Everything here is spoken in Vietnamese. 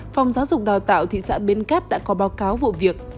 phòng giáo dục đào tạo thị xã bến cát đã có báo cáo vụ việc